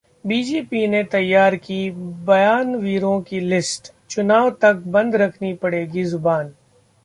BJP ने तैयार की बयानवीरों की लिस्ट, चुनाव तक बंद रखनी पड़ेगी जुबान